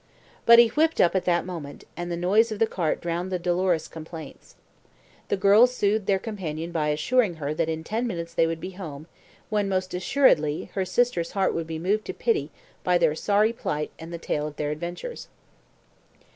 But he whipped up at that moment, and the noise of the cart drowned the dolorous complaints. The girls soothed their companion by assuring her that in ten minutes they would be home, when, most assuredly, her sister's heart would be moved to pity by their sorry plight and the tale of their adventures.